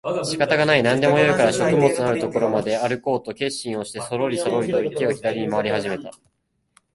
仕方がない、何でもよいから食物のある所まであるこうと決心をしてそろりそろりと池を左に廻り始めた